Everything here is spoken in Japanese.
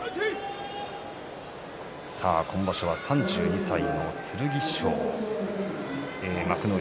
今場所は３２歳の剣翔幕内